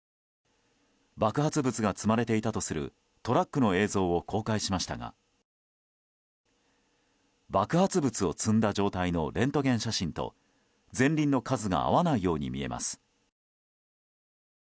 爆発物が積まれていたとするトラックの映像を公開しましたが爆発物を積んだ状態のレントゲン写真と前輪の数が合わないように見えます。